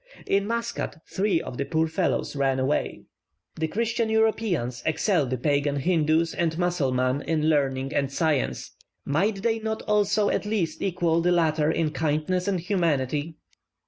In Muscat three of the poor fellows ran away. The Christian Europeans excel the pagan Hindoos and Musselmen in learning and science; might they not also at least equal the latter in kindness and humanity?